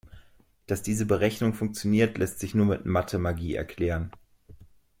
Dass diese Berechnung funktioniert, lässt sich nur mit Mathemagie erklären.